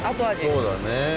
そうだね。